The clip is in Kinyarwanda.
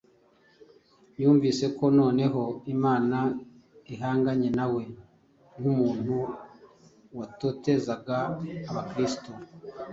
Yumvise ko noneho Imana ihanganye nawe, nk’umuntu watotezaga Abakristo.